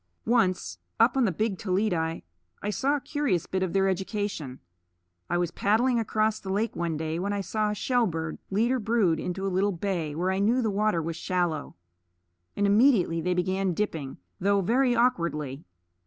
Once, up on the Big Toledi, I saw a curious bit of their education. I was paddling across the lake one day, when I saw a shellbird lead her brood into a little bay where I knew the water was shallow; and immediately they began dipping, though very awkwardly.